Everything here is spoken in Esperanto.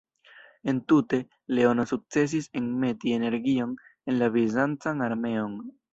Entute, Leono sukcesis enmeti energion en la bizancan armeon.